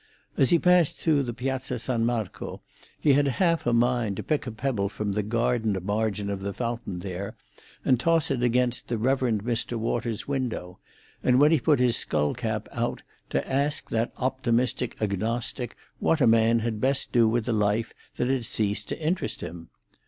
As he passed through the Piazza San Marco he had half a mind to pick a pebble from the gardened margin of the fountain there and toss it against the Rev. Mr. Waters's window, and when he put his skull cap out, to ask that optimistic agnostic what a man had best do with a life that had ceased to interest him.